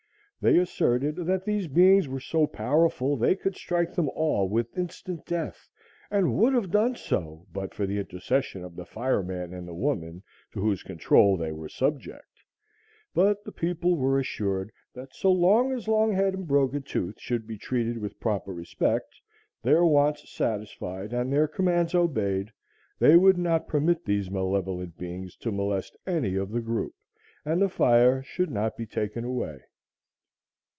They asserted that these beings were so powerful they could strike them all with instant death, and would have done so but for the intercession of the fire man and the woman to whose control they were subject; but the people were assured that so long as Longhead and Broken Tooth should be treated with proper respect, their wants satisfied and their commands obeyed, they would not permit these malevolent beings to molest any of the group, and the fire should not be taken away.